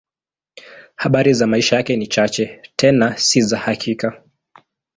Habari za maisha yake ni chache, tena si za hakika.